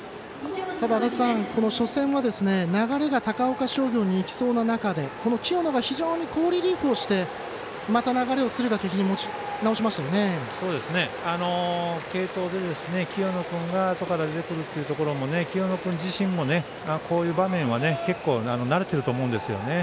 ただ、初戦は流れが高岡商業にいきそうな中で、清野が非常に好リリーフをしてまた、流れを敦賀気比に継投で清野君があとから出てくるというところも清野君自身もこういう場面は、結構慣れてると思うんですよね。